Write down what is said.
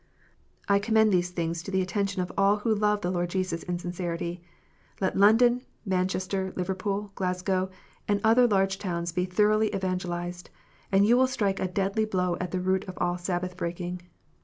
I commend these things to the attention of all who love the Lord Jesus Christ in sincerity. Let London, Manchester, Liverpool, Glasgow, and other large towns be thoroughly evangelized, and you will strike a deadly blow at the root of all Sabbath breaking.